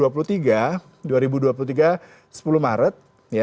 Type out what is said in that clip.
pada sepuluh maret